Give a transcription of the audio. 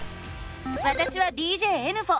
わたしはＤＪえぬふぉ。